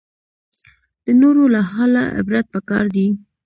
د نورو له حاله عبرت پکار دی